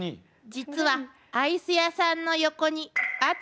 実はアイス屋さんの横にそれはあっ！